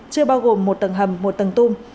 chưa bao gồm một tầng hầm một tầng tung